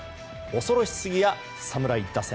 恐ろしすべや侍打線。